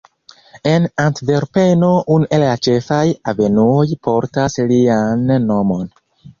En Antverpeno unu el la ĉefaj avenuoj portas lian nomon.